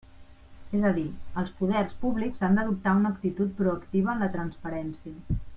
És a dir, els poders públics han d'adoptar una actitud proactiva en la transparència.